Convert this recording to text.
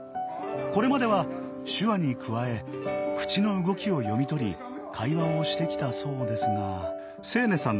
これまでは手話に加え口の動きを読み取り会話をしてきたそうですが。